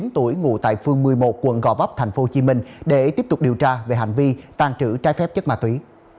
bốn mươi tuổi ngụ tại phương một mươi một quận gò vấp tp hcm để tiếp tục điều tra về hành vi tàn trữ trái phép chất ma túy